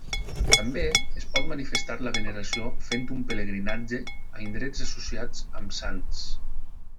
També es pot manifestar la veneració fent un pelegrinatge a indrets associats amb sants.